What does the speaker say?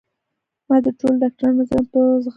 ما د ټولو ډاکترانو نظرونه په زغرده رد کړل